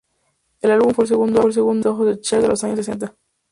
El álbum fue el segundo álbum exitoso de Cher de los años sesenta.